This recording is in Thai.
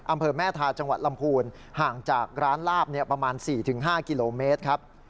อำเภอแม่ทาจังหวัดลำพูนห่างจากร้านลาบประมาณ๔๕กิโลเมตรครับ